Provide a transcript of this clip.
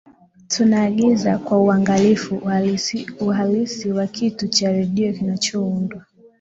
tunaagiza kwa uangalifu uhalisi wa kituo cha redio kinachoundwa